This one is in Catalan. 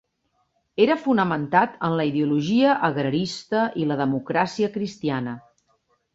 Era fonamentat en la ideologia agrarista i la democràcia cristiana.